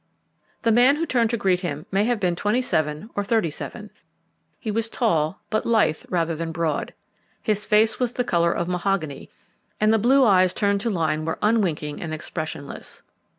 The man who turned to greet him may have been twenty seven or thirty seven. He was tall, but lithe rather than broad. His face was the colour of mahogany, and the blue eyes turned to Lyne were unwinking and expressionless.